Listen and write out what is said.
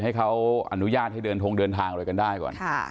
ให้เขาอนุญาตให้เดินทงเดินทางอะไรกันได้ก่อน